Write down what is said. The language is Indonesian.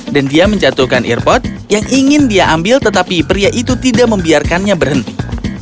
dan dia menjatuhkan airpod yang ingin dia ambil tetapi pria itu tidak membiarkannya berhenti